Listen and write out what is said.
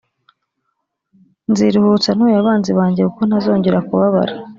, nziruhutsa ntuye abanzi banjye kuko ntazongera kubabara